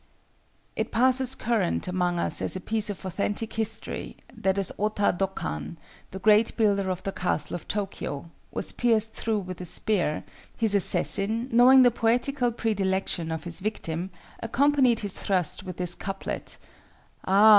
It passes current among us as a piece of authentic history, that as Ōta Dokan, the great builder of the castle of Tokyo, was pierced through with a spear, his assassin, knowing the poetical predilection of his victim, accompanied his thrust with this couplet— "Ah!